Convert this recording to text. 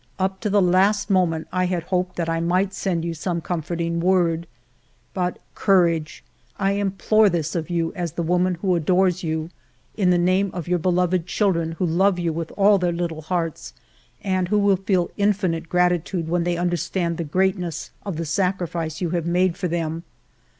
Up to the last moment I had hoped that I might send you some comforting word. ... But courage ! I implore this of you as the woman who adores you, in the name of ALFRED DREYFUS 203 your beloved children who love you with all their little hearts, and who will feel infinite grati tude when they understand the greatness of the sacrifice you have made for them.